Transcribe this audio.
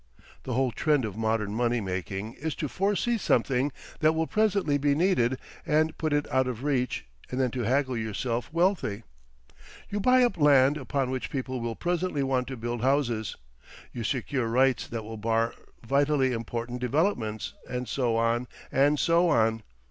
The whole trend of modern money making is to foresee something that will presently be needed and put it out of reach, and then to haggle yourself wealthy. You buy up land upon which people will presently want to build houses, you secure rights that will bar vitally important developments, and so on, and so on.